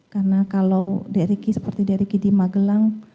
karena kalau dari ricky seperti dari ricky di magelang